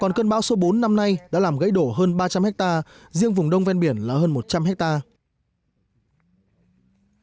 còn cơn bão số bốn năm nay đã làm gãy đổ hơn ba trăm linh hectare riêng vùng đông ven biển là hơn một trăm linh hectare